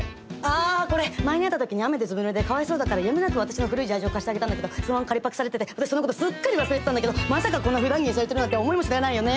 あこれ前に会った時に雨でずぶぬれでかわいそうだったからやむなく私の古いジャージを貸してあげたんだけどそのまま借りパクされてて私そのことすっかり忘れてたんだけどまさかこんなふだん着にされてるなんて思いもしないよね。